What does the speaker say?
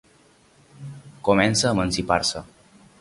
Comença a emancipar-se.